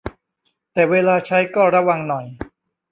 แต่เวลาใช้ก็ระวังหน่อย